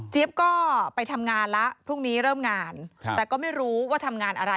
ก็ไปทำงานแล้วพรุ่งนี้เริ่มงานแต่ก็ไม่รู้ว่าทำงานอะไร